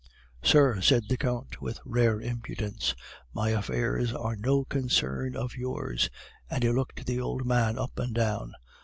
"'Sir,' said the Count, with rare impudence, 'my affairs are no concern of yours,' and he looked the old man up and down.